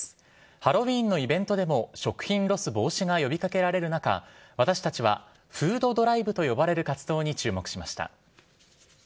ハロウィーンのイベントでも食品ロス防止が呼びかけられる中、私たちはフードドライブと呼ばれる活動に注目しました。